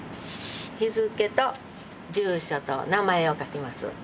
日付と住所と名前を書きます。